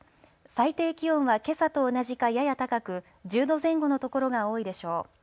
最低気温はけさと同じかやや高く１０度前後の所が多いでしょう。